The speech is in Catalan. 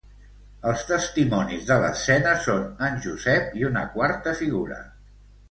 Els testimonis de l'escena són en Josep i una quarta figura.